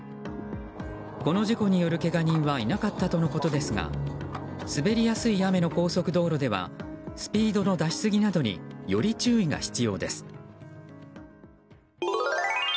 この事故によるけが人はいなかったとのことですが滑りやすい雨の高速道路ではスピードの出しすぎなどにより注意が必要です。